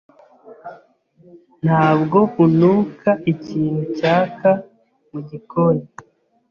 Ntabwo unuka ikintu cyaka mugikoni?